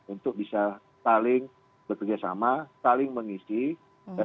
untuk bisa saling bekerjasama saling menyiapkan